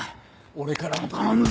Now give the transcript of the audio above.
俺からも頼む！